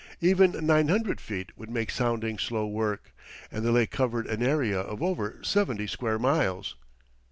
Even nine hundred feet would make sounding slow work, and the lake covered an area of over seventy square miles.